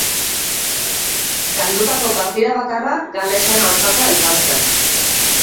Galdutako partida bakarra Galesen aurkakoa izan zen.